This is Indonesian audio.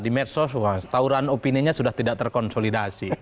di medsos tauan opini nya sudah tidak terkonsolidasi